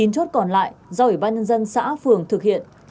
chín chốt còn lại do ủy ban nhân dân xã phường thực hiện